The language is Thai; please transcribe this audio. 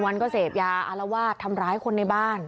วันก็เสพยาอารวาสทำร้ายคนในบ้าน